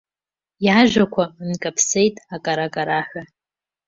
Иажәақәа нкаԥсеит акара-акараҳәа.